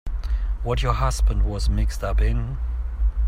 What your husband was mixed up in.